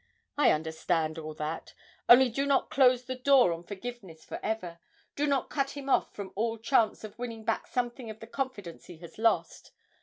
I understand all that. Only do not close the door on forgiveness for ever, do not cut him off from all chance of winning back something of the confidence he has lost.